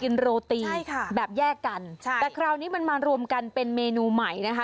โรตีใช่ค่ะแบบแยกกันใช่แต่คราวนี้มันมารวมกันเป็นเมนูใหม่นะคะ